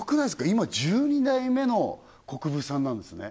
今１２代目の國分さんなんですね